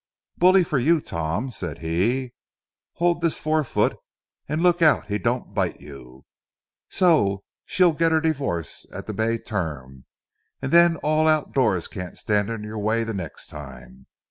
"Bully for you, Tom," said he. "Here, hold this fore foot, and look out he don't bite you. So she'll get her divorce at the May term, and then all outdoors can't stand in your way the next time.